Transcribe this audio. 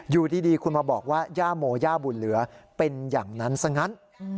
อยู่ดีคุณมาบอกว่าย่าโมย่าบุญเหลือเป็นอย่างนั้นซะงั้น